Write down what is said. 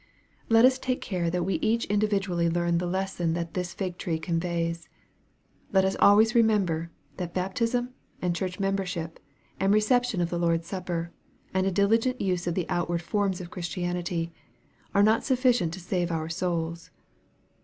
Let us take care that we each individually learn the lesson that this fig tree conveys. Let us always remem ber, that baptism, and church membership, and reception of the Lord's Supper, and a diligent use of the outward forms of Christianity, are not sufficient to save our souls.